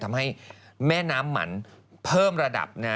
ทำให้แม่น้ำมันเพิ่มระดับ